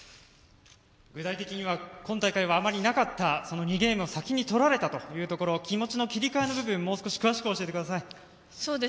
具体的には今大会あまりなかった２ゲーム先にとられたところ気持ちの切り替えの部分もう少し詳しく教えてください。